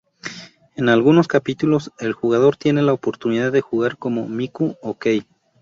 En algunos capítulos, el jugador tiene la oportunidad de jugar como Miku o Kei.